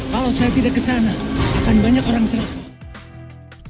kalau saya tidak ke sana akan banyak orang cerah